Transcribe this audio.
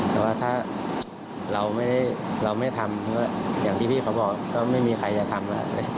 แต่ว่าถ้าเราไม่ทำก็อย่างที่พี่เขาบอกก็ไม่มีใครจะทำ